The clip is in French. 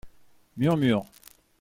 Murmures.